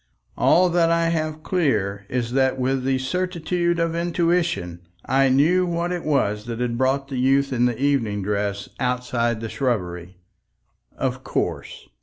All that I have clear is that with the certitude of intuition I knew what it was that had brought the youth in evening dress outside the shrubbery. Of course!